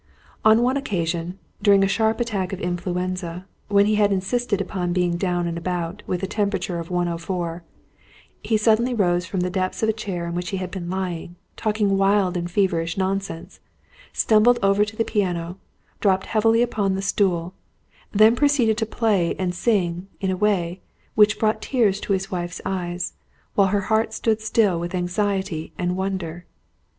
On one occasion, during a sharp attack of influenza, when he had insisted upon being down and about, with a temperature of 104, he suddenly rose from the depths of a chair in which he had been lying, talking wild and feverish nonsense; stumbled over to the piano, dropped heavily upon the stool, then proceeded to play and sing, in a way, which brought tears to his wife's eyes, while her heart stood still with anxiety and wonder.